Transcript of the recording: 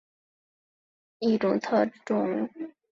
外积也可视作是矩阵的克罗内克积的一种特例。